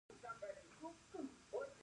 ایا زه باید نارامه شم؟